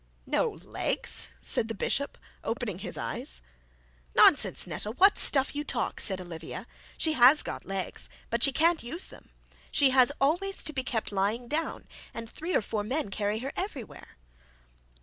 'No legs!' said the bishop, opening his eyes. 'Nonsense, Netta, what stuff you talk,' said Olivia. 'She has got legs, but she can't use them. She has always to be kept lying down, and three or four men carry her about everywhere.'